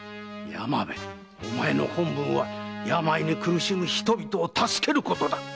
山辺お前の本分は病に苦しむ人々を助けることだ。